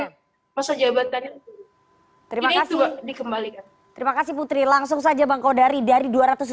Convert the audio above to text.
sih masa jabatannya terima kasih sudah dikembalikan terima kasih putri langsung saja bang kaudari dari